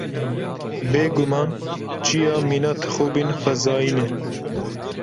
Bêguman çiya mîna tixûbên xwezayî ne.